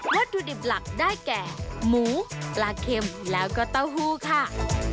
วัตถุดิบหลักได้แก่หมูปลาเค็มแล้วก็เต้าหู้ค่ะ